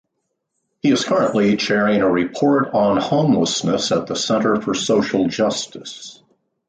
He is currently chairing a report on homelessness at the Centre for Social Justice.